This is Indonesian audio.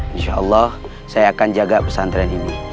insya allah saya akan jaga pesantren ini